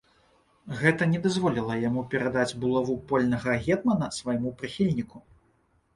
Гэта не дазволіла яму перадаць булаву польнага гетмана свайму прыхільніку.